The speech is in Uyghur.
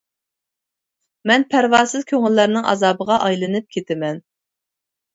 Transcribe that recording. مەن پەرۋاسىز كۆڭۈللەرنىڭ ئازابىغا ئايلىنىپ كىتىمەن.